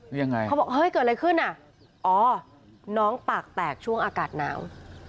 ยังไงเขาบอกเฮ้ยเกิดอะไรขึ้นอ่ะอ๋อน้องปากแตกช่วงอากาศหนาว